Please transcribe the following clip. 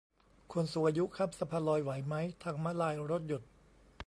คนสูงอายุข้ามสะพานลอยไหวมั้ย ทางม้าลายรถหยุด